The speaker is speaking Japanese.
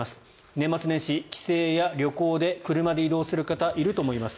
年末年始、帰省や旅行で車で移動する方いると思います。